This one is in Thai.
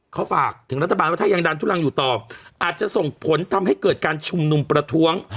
เขาฝากถึงรัฐบาลว่าถ้ายังดันทุลังอยู่ต่ออาจจะส่งผลทำให้เกิดการชุมนุมประท้วง